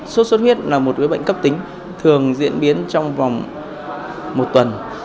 sốt xuất huyết là một bệnh cấp tính thường diễn biến trong vòng một tuần